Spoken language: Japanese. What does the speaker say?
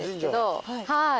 はい。